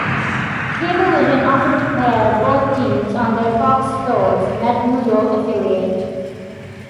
Cablevision offered to pair both teams on their Fox Sports Net New York affiliate.